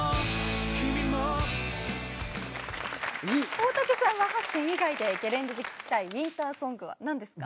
大竹さんは８選以外でゲレンデで聴きたいウインターソングは何ですか？